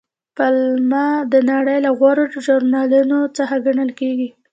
پملا د نړۍ له غوره ژورنالونو څخه ګڼل کیږي.